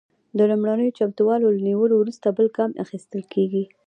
د لومړنیو چمتووالو له نیولو وروسته بل ګام اخیستل کیږي.